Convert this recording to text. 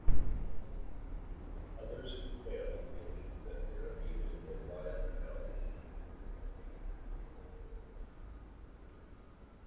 Others who failed believed that therapy was worthwhile and valuable.